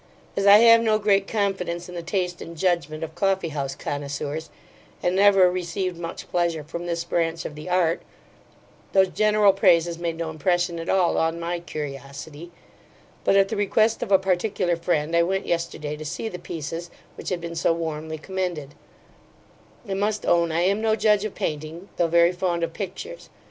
As I have no great confidence in the taste and judgment of coffeehouse connoisseurs, and never received much pleasure from this branch of the art, those general praises made no impression at all on my curiosity; but, at the request of a particular friend, I went yesterday to see the pieces, which had been so warmly commended I must own I am no judge of painting, though very fond of pictures.